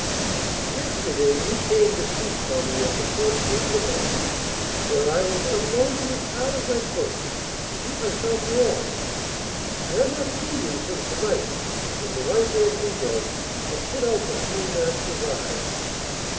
"Yesterday you came to seek for me at the Port St. Nicolas, where I was unloading as hard as I could to keep myself warm. I had not seen you since the night when the white haired negro had put out the Schoolmaster's eyes.